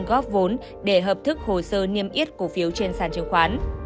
góp vốn để hợp thức hồ sơ niêm yết cổ phiếu trên sàn chứng khoán